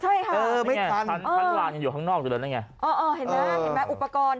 ใช่ค่ะไม่ทันอ่าเออเห็นไหมอุปกรณ์